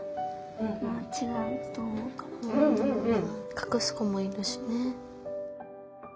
かくす子もいるしね。